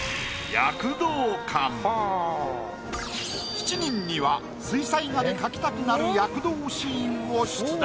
７人には水彩画で描きたくなる躍動シーンを出題。